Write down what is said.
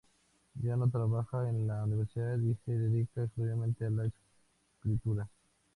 Ya no trabaja en la universidad y se dedica exclusivamente a la escritura.